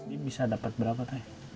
ini bisa dapat berapa teh